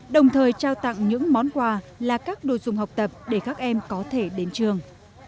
đồng thời trao tặng những món quà là các đồ dùng học tập để các em có thể đến trường